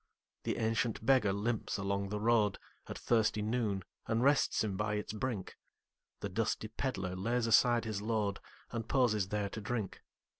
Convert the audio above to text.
The ancient beggar limps along the roadAt thirsty noon, and rests him by its brink; The dusty pedlar lays aside his load, And pauses there to drink.